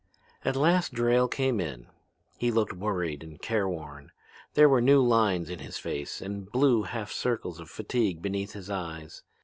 "At last Drayle came in. He looked worried and careworn. There were new lines in his face and blue half circles of fatigue beneath his eyes.